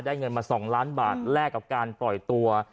เงินมา๒ล้านบาทแลกกับการปล่อยตัว